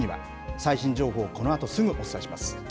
最新情報、このあとすぐお伝えします。